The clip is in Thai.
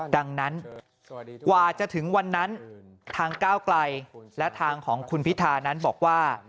ดังนั้นกว่าจะถึงวันนั้นทางก้าวไกลและทางของคุณพิธานั้นบอกว่า